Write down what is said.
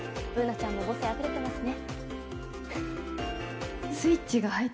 Ｂｏｏｎａちゃんも母性、あふれてますね。